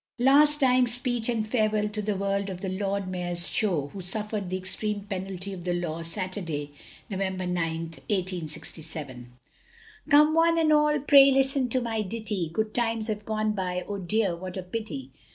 LAST DYING SPEECH And Farewell to the World OF THE LORD MAYOR'S SHOW, Who suffered the extreme penalty of the law, Saturday, November 9th, 1867. Come one and all, pray listen to my ditty, Good times have gone by, oh dear what a pity!